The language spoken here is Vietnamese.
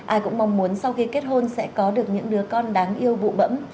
ai cũng mong muốn sau khi kết hôn sẽ có được những đứa con đáng yêu bụ bẫm